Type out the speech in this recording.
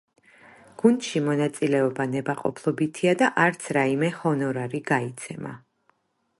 გუნდში მონაწილეობა ნებაყოფლობითია და არც რაიმე ჰონორარი გაიცემა.